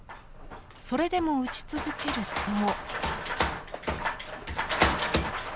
それでも打ち続けると。